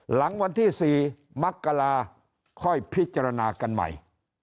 หลังวันที่๔มกราค่อยพิจารณากันใหม่